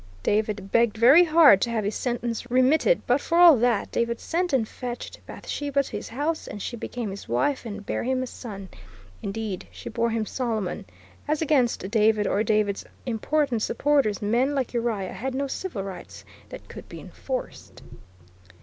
David begged very hard to have his sentence remitted, but, for all that, "David sent and fetched [Bathsheba] to his house, and she became his wife, and bare him a son." Indeed, she bore him Solomon. As against David or David's important supporters men like Uriah had no civil rights that could be enforced.